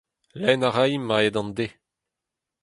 Lenn a raimp a-hed an deiz